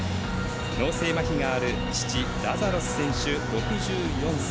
脳性まひがある父、ラザロス選手６４歳。